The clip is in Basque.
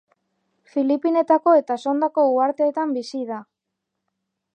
Filipinetako eta Sondako uharteetan bizi da.